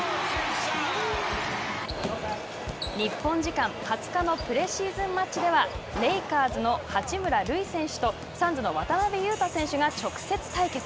日本時間２０日のプレシーズンマッチではレイカーズの八村塁選手とサンズの渡邊雄太選手が直接対決。